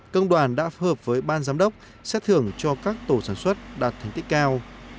công đoàn đã phối hợp với ban giám đốc xét thưởng cho các tổ sản xuất đạt thành tích cao